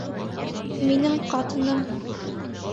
Минең ҡатыным